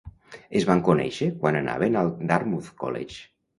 Es van conèixer quan anaven al Dartmouth College.